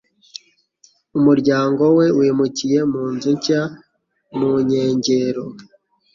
Umuryango we wimukiye mu nzu nshya mu nkengero.